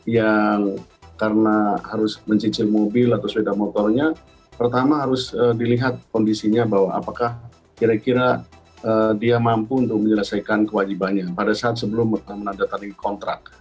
yang karena harus mencicil mobil atau sepeda motornya pertama harus dilihat kondisinya bahwa apakah kira kira dia mampu untuk menyelesaikan kewajibannya pada saat sebelum mereka menandatangani kontrak